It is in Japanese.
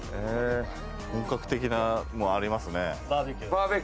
本格的なのもありますね。